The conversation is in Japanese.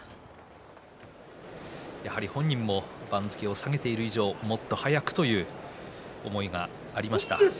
本人も番付を下げている以上、もっと早くという思いがあった御嶽海でした。